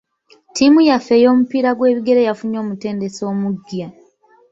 Ttiimu yaffe ey'omupiira gw'ebigere yafunye omutendesi omuggya.